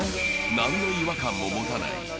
［何の違和感も持たない。